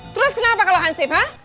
terus kenapa kalau hansip